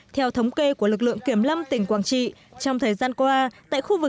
theo thống kê của lực lượng kiểm lâm tỉnh quảng trị trong thời gian qua